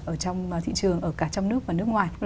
ở trong thị trường ở cả trong nước và nước ngoài